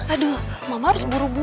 aduh mama harus buru buru